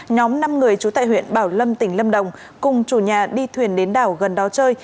nhóm năm người trú tại huyện bảo lâm tỉnh lâm đồng cùng chủ nhà đi thuyền đến đảo gần đó chơi